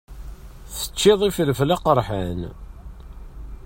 Teččiḍ ifelfel aqeṛḥan.